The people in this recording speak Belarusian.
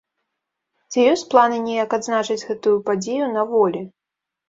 Ці ёсць планы неяк адзначыць гэтую падзею на волі?